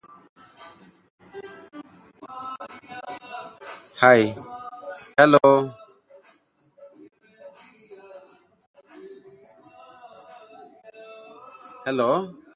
There is no home run derby or practice mode.